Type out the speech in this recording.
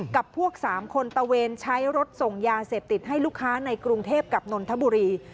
กับพวก๓คนตะเวนใช้รถส่งยาเสพติดให้ลูกค้าในกรุงเทพกับนนทบุรี